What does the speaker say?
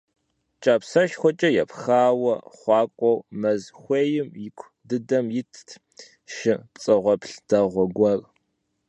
Кӏапсэшхуэкӏэ епхауэ хъуакӏуэу, мэз хуейм ику дыдэм итт шы пцӏэгъуэплъ дэгъуэ гуэр.